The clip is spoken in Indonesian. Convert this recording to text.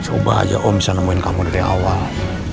coba aja om bisa nemuin kamu dari awal